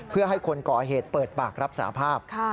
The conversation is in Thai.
เพื่อให้คนก่อเหตุเปิดปากรับสาภาพ